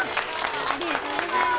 ありがとうございます。